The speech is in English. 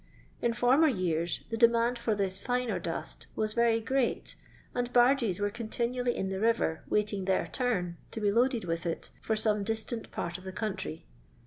In former years the demand for this finer dust was very great, and barges were continually in the river waiting their turn to be loaded with it for some distant part of the country.